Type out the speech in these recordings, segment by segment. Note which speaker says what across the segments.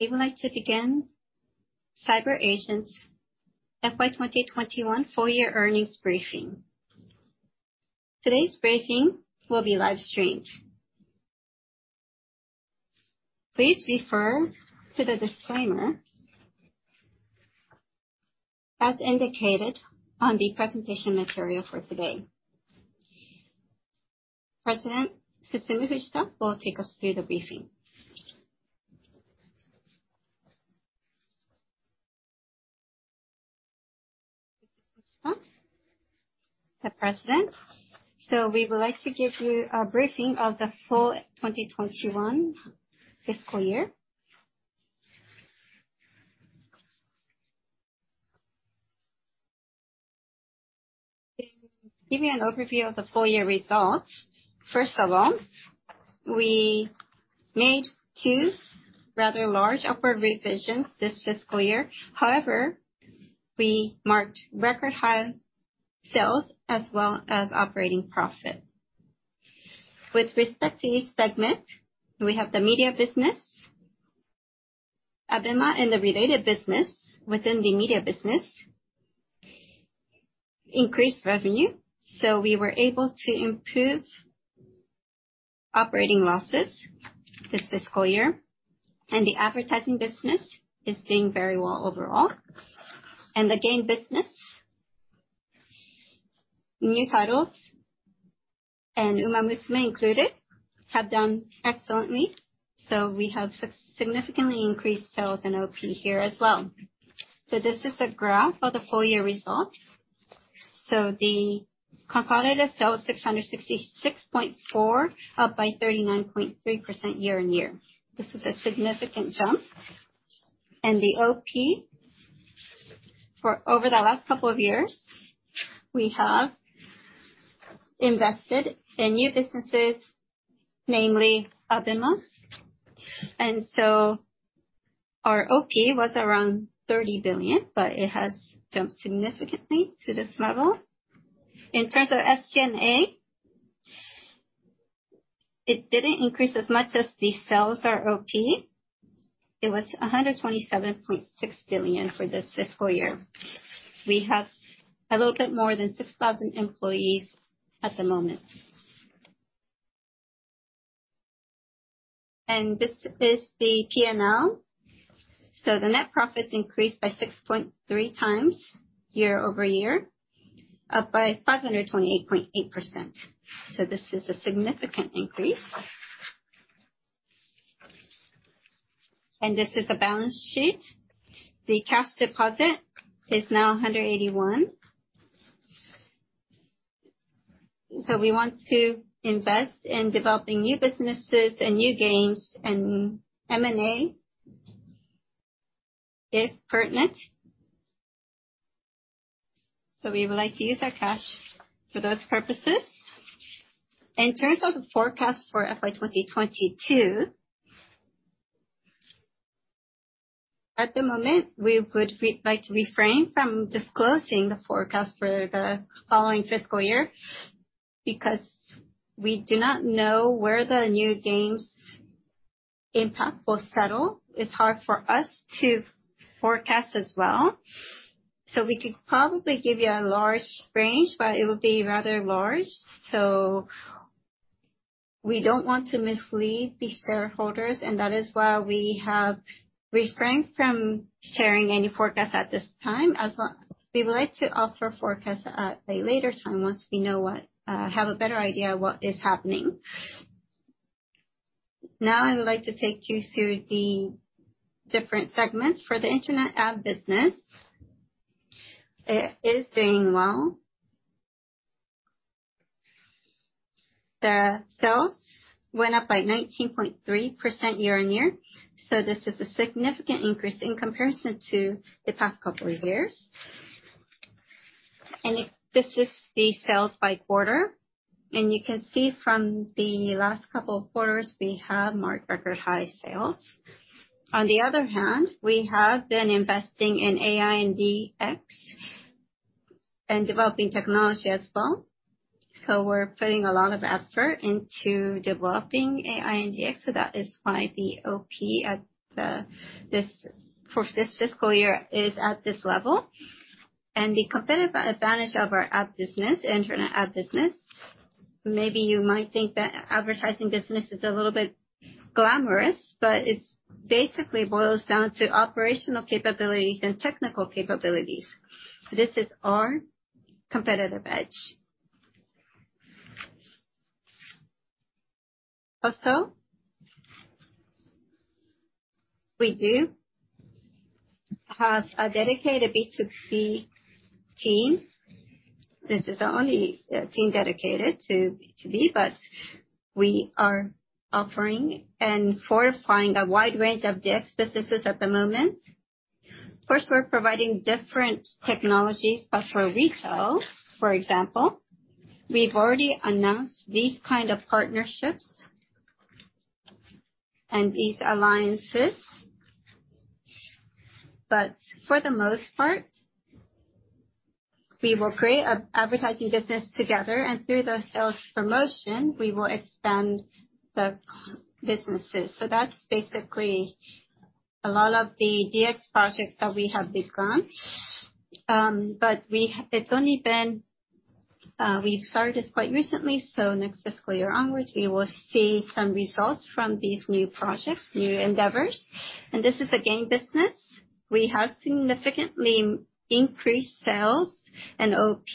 Speaker 1: We would like to begin CyberAgent's FY 2021 full year earnings briefing. Today's briefing will be live streamed. Please refer to the disclaimer as indicated on the presentation material for today. President Susumu Fujita will take us through the briefing.
Speaker 2: Susumu Fujita, the president. We would like to give you a briefing of the full 2021 fiscal year. To give you an overview of the full year results, first of all, we made two rather large upward revisions this fiscal year. However, we marked record high sales as well as operating profit. With respect to each segment, we have the media business, ABEMA, and the related business within the media business increased revenue, so we were able to improve operating losses this fiscal year. The advertising business is doing very well overall. The game business, new titles, and Umamusume included, have done excellently, so we have significantly increased sales and OP here as well. This is a graph of the full year results. The consolidated sales, 666.4 billion, up by 39.3% year-on-year. This is a significant jump. The OP for over the last couple of years, we have invested in new businesses, namely ABEMA. Our OP was around 30 billion, but it has jumped significantly to this level. In terms of SG&A, it didn't increase as much as the sales or OP. It was 127.6 billion for this fiscal year. We have a little bit more than 6,000 employees at the moment. This is the P&L. The net profits increased by 6.3x year-over-year, up by 528.8%. This is a significant increase. This is a balance sheet. The cash deposit is now 181 billion. We want to invest in developing new businesses and new games and M&A if pertinent. We would like to use our cash for those purposes. In terms of the forecast for FY 2022, at the moment we would like to refrain from disclosing the forecast for the following fiscal year because we do not know where the new games impact will settle. It's hard for us to forecast as well. We could probably give you a large range, but it would be rather large, so we don't want to mislead the shareholders and that is why we have refrained from sharing any forecast at this time. We would like to offer forecast at a later time once we know what have a better idea of what is happening. Now I would like to take you through the different segments. For the internet ad business, it is doing well. The sales went up by 19.3% year-on-year, so this is a significant increase in comparison to the past couple of years. This is the sales by quarter. You can see from the last couple of quarters we have marked record high sales. On the other hand, we have been investing in AI and DX and developing technology as well. We're putting a lot of effort into developing AI and DX, so that is why the OP for this fiscal year is at this level. The competitive advantage of our ad business, internet ad business, maybe you might think that advertising business is a little bit glamorous, but it basically boils down to operational capabilities and technical capabilities. This is our competitive edge. Also, we do have a dedicated B2C team. This is our only team dedicated to B2B, but we are offering and fortifying a wide range of DX businesses at the moment. First, we're providing different technologies, but for retail, for example, we've already announced these kind of partnerships and these alliances. For the most part we will create an advertising business together, and through the sales promotion, we will expand the D2C businesses. That's basically a lot of the DX projects that we have begun. We've started this quite recently, so next fiscal year onwards we will see some results from these new projects, new endeavors. This is a game business. We have significantly increased sales and OP.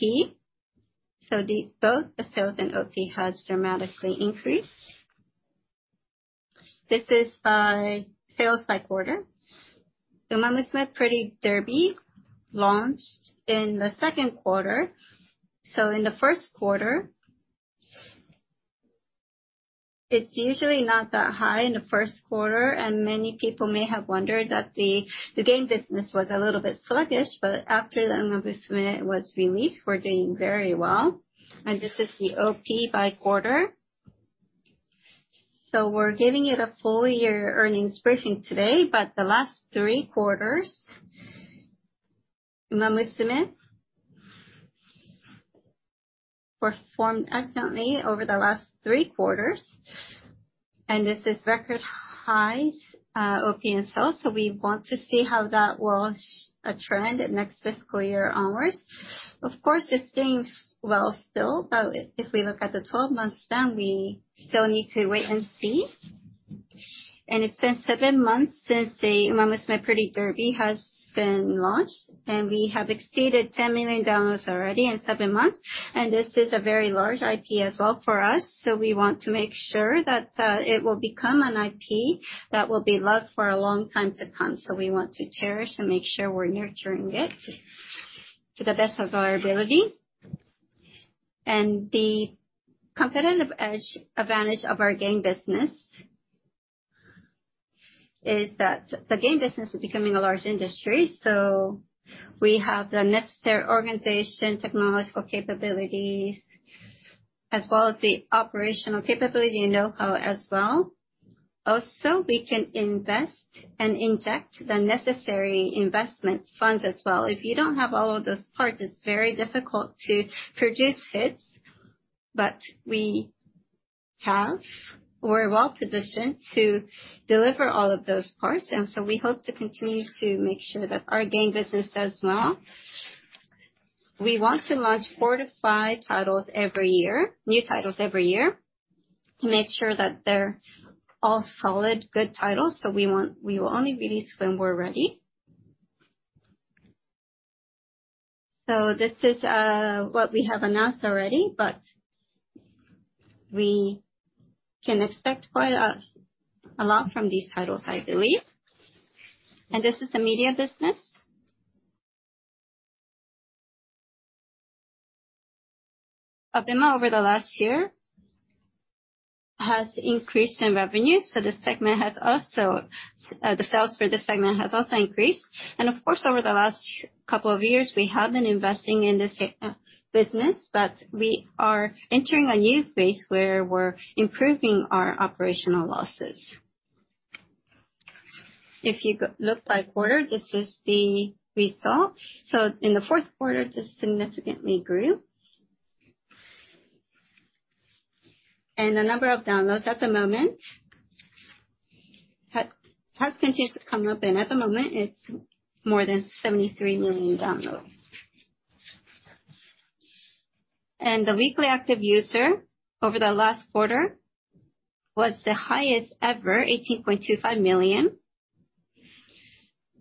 Speaker 2: Both the sales and OP has dramatically increased. This is by sales by quarter. Umamusume: Pretty Derby launched in the second quarter. In the first quarter, it's usually not that high in the first quarter, and many people may have wondered that the game business was a little bit sluggish. After Umamusume was released, we're doing very well. This is the OP by quarter. We're giving it a full year earnings briefing today, but the last three quarters, Umamusume performed excellently over the last three quarters. This is record high OP and sales, so we want to see how that will trend next fiscal year onwards. Of course, it's doing well still, but if we look at the twelve-month span, we still need to wait and see. It's been seven months since the Umamusume: Pretty Derby has been launched, and we have exceeded 10 million downloads already in seven months. This is a very large IP as well for us, so we want to make sure that it will become an IP that will be loved for a long time to come. We want to cherish and make sure we're nurturing it to the best of our ability. The competitive edge, advantage of our game business is that the game business is becoming a large industry, so we have the necessary organization, technological capabilities, as well as the operational capability and know-how as well. Also, we can invest and inject the necessary investment funds as well. If you don't have all of those parts, it's very difficult to produce hits. We have. We're well-positioned to deliver all of those parts, and we hope to continue to make sure that our game business does well. We want to launch four to five titles every year, new titles every year, to make sure that they're all solid, good titles. We will only release when we're ready. This is what we have announced already, but we can expect quite a lot from these titles, I believe. This is the media business. ABEMA, over the last year, has increased in revenue, so the segment has also, the sales for this segment has also increased. Of course, over the last couple of years, we have been investing in this business. We are entering a new phase where we're improving our operational losses. If you look by quarter, this is the result. In the fourth quarter, this significantly grew. The number of downloads at the moment has continued to come up, and at the moment it's more than 73 million downloads. The weekly active user over the last quarter was the highest ever, 18.25 million.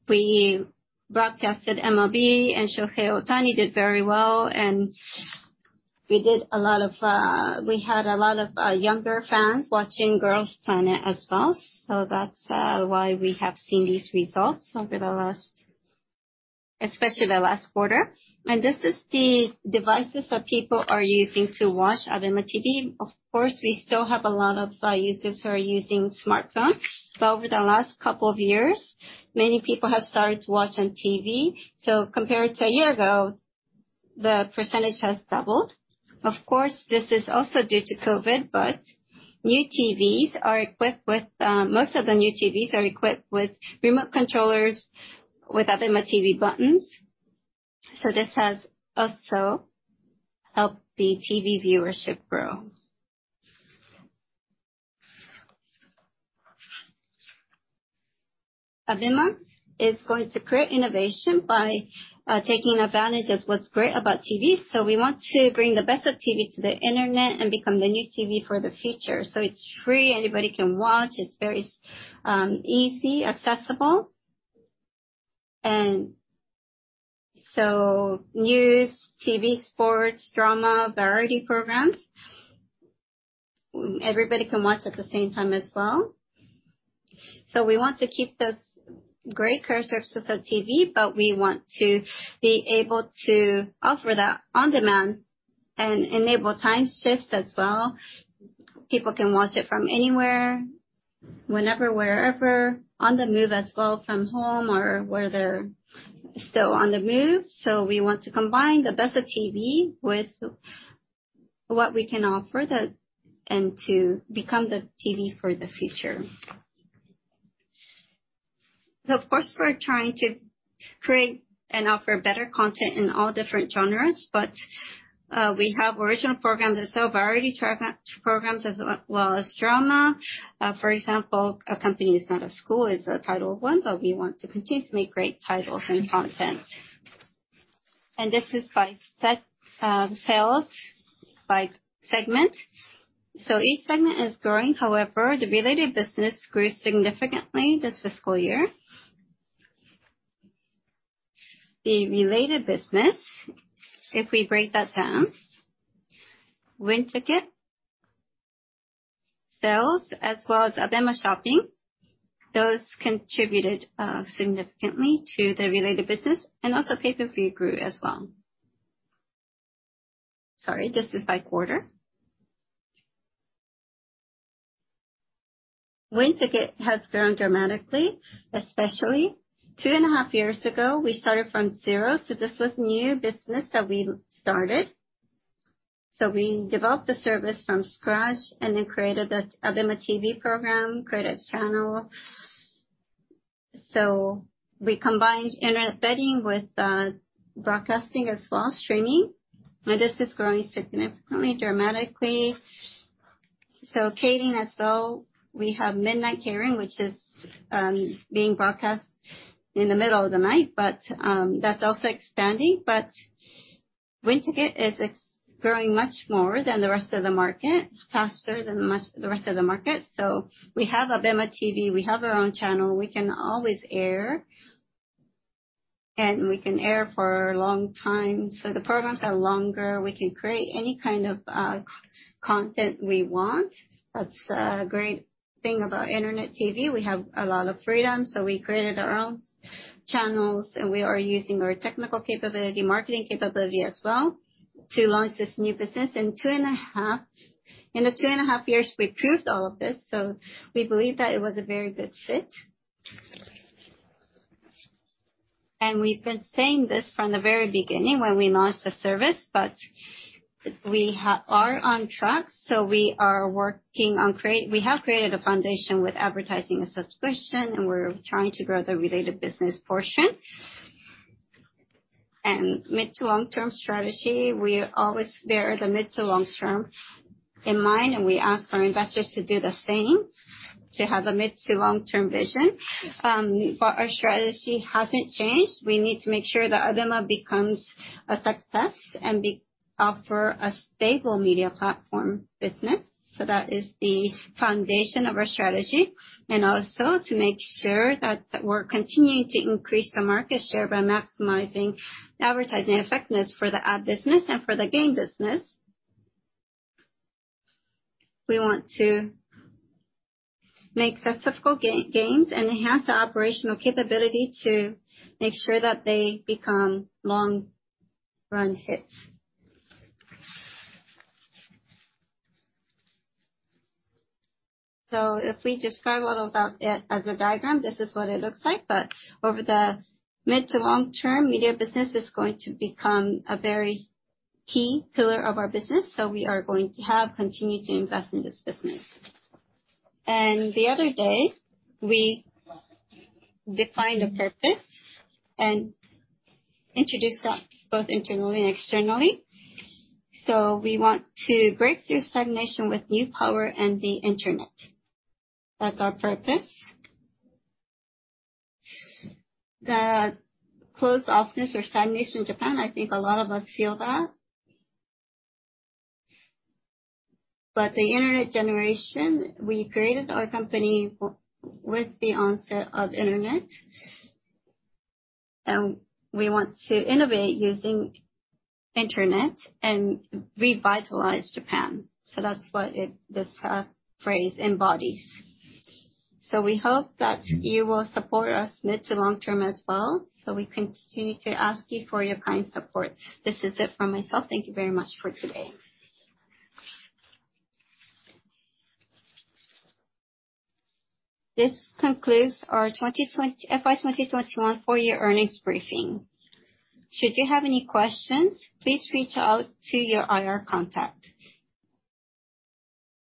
Speaker 2: We broadcasted MLB, and Shohei Ohtani did very well, and we did a lot of. We had a lot of younger fans watching Girls Planet 999 as well, so that's why we have seen these results over the last, especially the last quarter. This is the devices that people are using to watch ABEMA. Of course, we still have a lot of users who are using smartphone. Over the last couple of years, many people have started to watch on TV. Compared to a year ago, the percentage has doubled. Of course, this is also due to COVID, but most of the new TVs are equipped with remote controllers with ABEMA buttons. This has also helped the TV viewership grow. ABEMA is going to create innovation by taking advantage of what's great about TV. We want to bring the best of TV to the internet and become the new TV for the future. It's free, anybody can watch, it's very easy, accessible. News, TV, sports, drama, variety programs, everybody can watch at the same time as well. We want to keep those great characteristics of TV, but we want to be able to offer that on demand and enable time shifts as well. People can watch it from anywhere, whenever, wherever, on the move as well, from home or where they're still on the move. We want to combine the best of TV with what we can offer to become the TV for the future. Of course, we're trying to create and offer better content in all different genres, but we have original programs itself, variety programs as well as drama. For example, A Company Is Not A School is a title of one, but we want to continue to make great titles and content. This is by segment sales by segment. Each segment is growing. However, the related business grew significantly this fiscal year. The related business, if we break that down, WINTICKET sales as well as ABEMA Shopping, those contributed significantly to the related business, and also Pay-Per-View grew as well. Sorry, this is by quarter. WINTICKET has grown dramatically, especially 2.5 years ago, we started from zero, so this was new business that we started. We developed the service from scratch and then created the ABEMA program, created a channel. We combined internet betting with broadcasting as well as streaming, and this is growing significantly, dramatically. K-drama as well. We have Midnight Keirin, which is being broadcast in the middle of the night, but that's also expanding. WINTICKET is growing much more than the rest of the market, faster than the rest of the market. We have ABEMA, we have our own channel. We can always air, and we can air for a long time. The programs are longer. We can create any kind of content we want. That's a great thing about internet TV. We have a lot of freedom, so we created our own channels, and we are using our technical capability, marketing capability as well to launch this new business. In the 2.5 years, we proved all of this, so we believe that it was a very good fit. We've been saying this from the very beginning when we launched the service, but we are on track, so we have created a foundation with advertising and subscription, and we're trying to grow the related business portion. Mid- to long-term strategy, we always bear the mid- to long-term in mind, and we ask our investors to do the same, to have a mid- to long-term vision. But our strategy hasn't changed. We need to make sure that ABEMA becomes a success and offer a stable media platform business. That is the foundation of our strategy, and also to make sure that we're continuing to increase the market share by maximizing advertising effectiveness for the ad business and for the game business. We want to make successful games and enhance the operational capability to make sure that they become long-run hits. If we describe a little about it as a diagram, this is what it looks like. Over the mid to long-term, media business is going to become a very key pillar of our business, so we are going to continue to invest in this business. The other day, we defined a purpose and introduced that both internally and externally. We want to break through stagnation with new power and the internet. That's our purpose. The closed society or stagnant Japan, I think a lot of us feel that. The internet generation, we created our company with the onset of internet, and we want to innovate using internet and revitalize Japan. That's what this phrase embodies. We hope that you will support us mid to long-term as well, so we continue to ask you for your kind support. This is it from myself. Thank you very much for today.
Speaker 1: This concludes our FY 2021 full year earnings briefing. Should you have any questions, please reach out to your IR contact.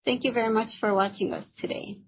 Speaker 1: Thank you very much for watching us today.